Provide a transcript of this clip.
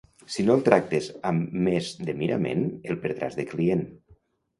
Si no el tractes amb més de mirament el perdràs de client.